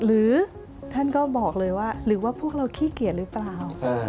หรือท่านก็บอกเลยว่าหรือว่าพวกเราขี้เกียจหรือเปล่า